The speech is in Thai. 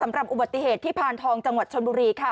สำหรับอุบัติเหตุที่พานทองจังหวัดชนบุรีค่ะ